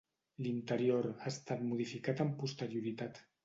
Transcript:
L'interior ha estat modificat amb posterioritat.